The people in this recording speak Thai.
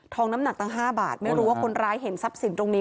น้ำหนักตั้ง๕บาทไม่รู้ว่าคนร้ายเห็นทรัพย์สินตรงนี้